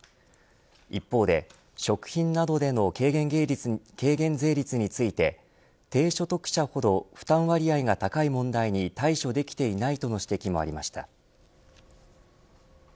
一方で食品などでの軽減税率について低所得者ほど負担割合が高い問題に対処できていないとの指摘もありました。